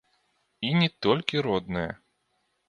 І не толькі родная.